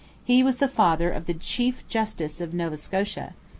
He was the father of the chief justice of Nova Scotia.